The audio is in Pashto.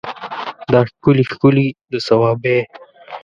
دا ښکلي ښکلي د صوابی